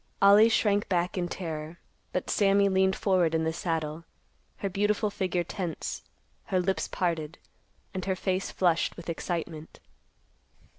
Ollie shrank back in terror, but Sammy leaned forward in the saddle, her beautiful figure tense, her lips parted, and her face flushed with excitement.